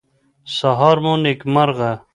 سهار مو نیکمرغه